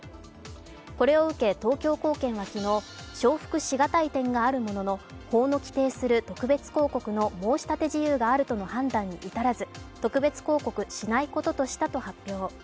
これを受け東京高検は昨日、承服しがたい点があるものの法の規定する特別抗告の申立事由があるとの判断に至らず、特別抗告しないこととしたと発表。